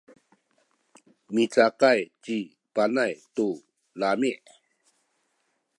micakay ci Panay tu lami’.